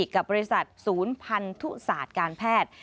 กับบริษัทศูนย์พันธุศาสตร์การแพทย์